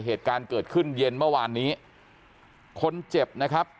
เหตุการณ์เกิดขึ้นเย็นเมื่อวานนี้คนเจ็บนะครับ